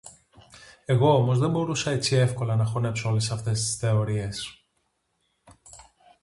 Εγώ όμως δεν μπορούσα έτσι εύκολα να χωνέψω όλες αυτές τις θεωρίες.